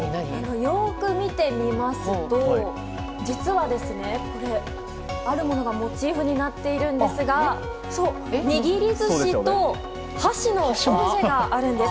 よく見てみますと実はこれ、あるものがモチーフになっているんですが握り寿司と箸のオブジェがあるんです。